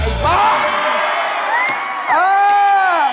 ไอ้ป๊อบ